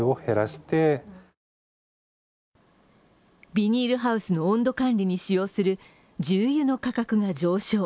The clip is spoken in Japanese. ビニールハウスの温度管理に使用する重油の価格が上昇。